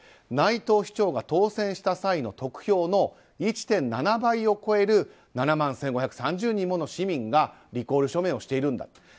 内藤市長が当選した際の得票の１．７倍を超える７万１５３０人もの市民がリコール署名をしているんだと。